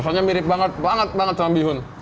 rasanya mirip banget banget sama bihun